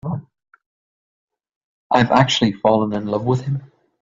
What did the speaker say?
I've actually fallen in love with him.